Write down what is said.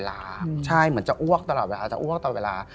ก็เป็นเหมือนจะอ้วกตลอดเวลา